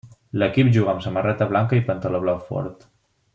L'equip juga amb samarreta blanca i pantaló blau fort.